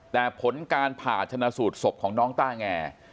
แต่ผลการผ่าชนะสูตรศพของน้องต้าแง